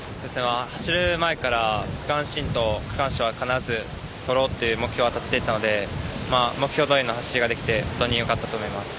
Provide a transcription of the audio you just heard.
走る前から区間新と区間賞は必ずとろうという目標は立てていたので目標通りの走りができてよかったと思います。